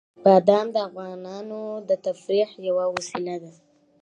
بادام د افغانانو د تفریح یوه وسیله ده.